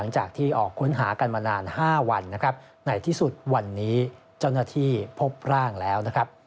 ที่ออกค้นหากันมานาน๕วันนะครับในที่สุดวันนี้เจ้าหน้าที่พบร่างแล้วนะครับ